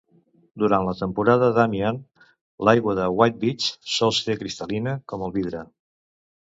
Durant la temporada d'Amihan, l'aigua de White Beach sol ser cristal·lina com el vidre.